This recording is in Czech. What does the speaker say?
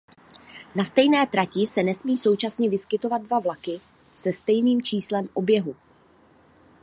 Na stejné trati se nesmí současně vyskytovat dva vlaky se stejným číslem oběhu.